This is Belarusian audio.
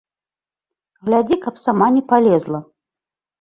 Глядзі, каб сама не палезла!